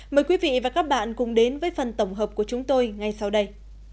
mời quý vị và các bạn cùng đến với phần tổng hợp của chúng tôi ngay sau đây